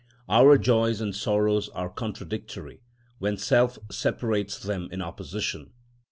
Our joys and sorrows are contradictory when self separates them in opposition.